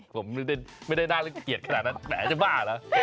ผมไม่ได้น่ารักเกลียดขนาดนั้นแต่จะบ้าแล้ว